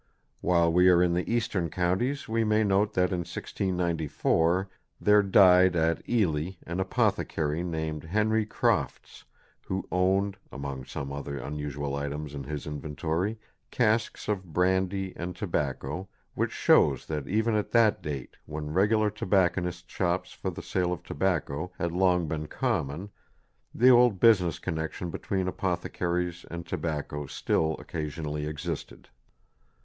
While we are in the eastern counties we may note that in 1694 there died at Ely an apothecary named Henry Crofts, who owned, among some other unusual items in his inventory, casks of brandy and tobacco, which shows that even at that date, when regular tobacconists' shops for the sale of tobacco had long been common, the old business connexion between apothecaries and tobacco still occasionally existed.